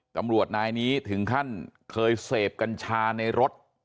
ตำรวจนายนี้ถึงขั้นเคยเสพกัญชาในรถ